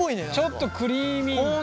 ちょっとクリーミーな。